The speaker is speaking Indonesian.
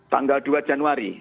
tanggal dua januari